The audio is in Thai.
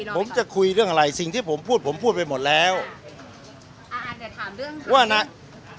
ผมจะคุยเรื่องอะไรสิ่งที่ผมพูดผมพูดไปหมดแล้วอ่าอาจจะถามเรื่องว่านะ